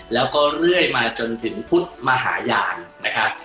แล้วก็เรื่อยมาจนถึงพุทธมหาญาณนะครับ